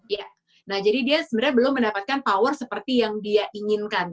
ya nah jadi dia sebenarnya belum mendapatkan power seperti yang dia inginkan